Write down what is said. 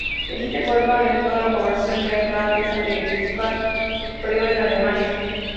En este puesto alentó a la población neerlandesa a buscar empleo en Alemania.